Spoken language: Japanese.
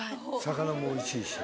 魚もおいしいし。